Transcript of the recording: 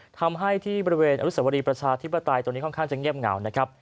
ทำให้ที่บริเวณอนุสวรีประชาธิปไตยตอนนี้ค่อนข้างจะเงียบเหงานะครับ